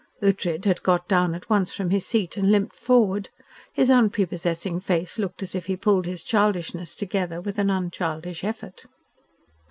Ughtred had got down at once from his seat and limped forward. His unprepossessing face looked as if he pulled his childishness together with an unchildish effort.